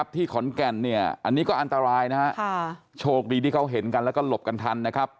ที่ขอนแก่นเนี่ยอันนี้ก็อันตรายนะฮะโชคดีที่เขาเห็นกันแล้วก็หลบกันทันนะครับ